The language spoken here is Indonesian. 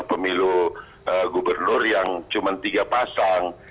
pemilu gubernur yang cuma tiga pasang